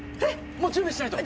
もう準備しないと。